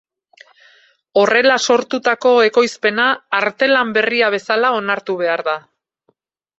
Horrela sortutako ekoizpena arte-lan berria bezala onartu behar da.